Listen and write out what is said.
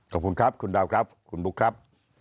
ขอบคุณครับคุณดาวครับคุณบุ๊คครับ